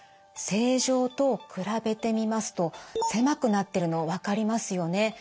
正常と比べてみますと狭くなってるの分かりますよね？